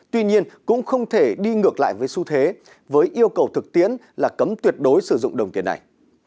tuy nhiên cũng không thể đi ngược lại với xu thế với yêu cầu thực tiễn là cấm tuyệt đối sử dụng đồng tiền này